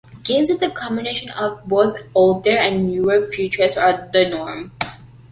Games with a combination of both older and newer features are the norm.